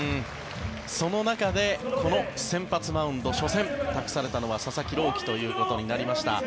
その中でこの先発マウンド初戦、託されたのは佐々木朗希ということになりました。